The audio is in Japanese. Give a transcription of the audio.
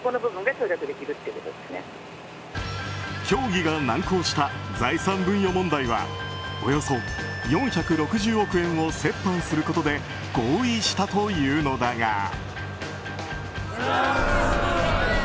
協議が難航した財産分与問題はおよそ４６０億円を折半することで合意したというのだが。